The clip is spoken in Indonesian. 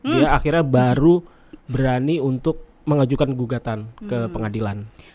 dia akhirnya baru berani untuk mengajukan gugatan ke pengadilan